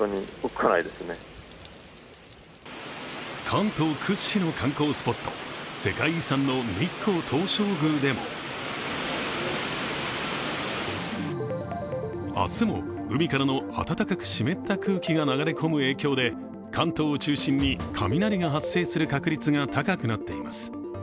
関東屈指の観光スポット、世界遺産の日光東照宮でも明日も、海からの暖かく湿った空気が流れ込む影響で関東を中心に雷が発生する確率が高くなっています。